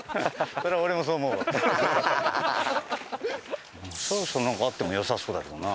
そろそろなんかあってもよさそうだけどな。